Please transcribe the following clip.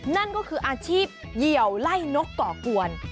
นั่นก็คืออาชีพเหยี่ยวไล่นกก่อกวน